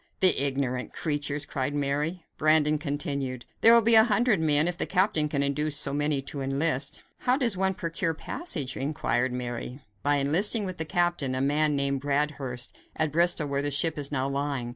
"The ignorant creatures!" cried Mary. Brandon continued: "There will be a hundred men, if the captain can induce so many to enlist." "How does one procure passage?" inquired Mary. "By enlisting with the captain, a man named Bradhurst, at Bristol, where the ship is now lying.